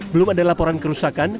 belum ada laporan kerusakan